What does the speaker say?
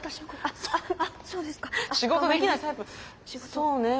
そうねえ